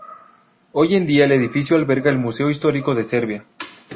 Hoy en día el edificio alberga el Museo Histórico de Serbia.